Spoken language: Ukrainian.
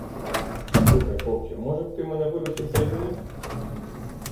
Слухай, хлопче, може б ти мене виручив та й заніс?